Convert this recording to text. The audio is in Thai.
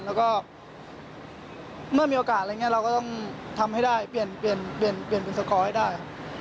แล้วก็เมื่อมีโอกาสเราก็ต้องทำให้ได้เปลี่ยนเป็นสกอร์ให้ได้